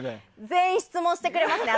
全員質問してくれますね